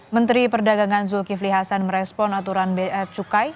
menteri perdagangan zulkifli hasan merespon aturan biaya cukai